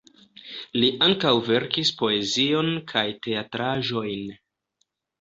Li ankaŭ verkis poezion kaj teatraĵojn.